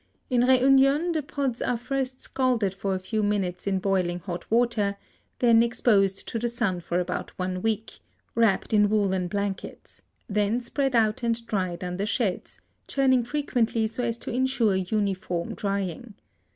In Reunion the pods are first scalded for a few minutes in boiling hot water, then exposed to the sun for about one week, wrapped in woolen blankets; then spread out and dried under sheds, turning frequently so as to insure uniform drying.